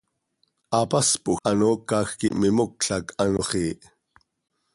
Hapaspoj hanoocaj quih mimocl hac ano xiih.